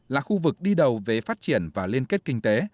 là khu vực đi đầu về phát triển và liên kết kinh tế